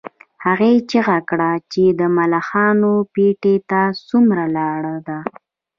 هغې چیغه کړه چې د ملخانو پټي ته څومره لار ده